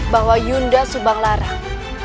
bahwa yunda subanglarang